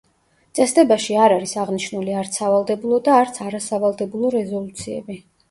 წესდებაში არ არის აღნიშნული, არც სავალდებულო და არც არასავალდებულო რეზოლუციები.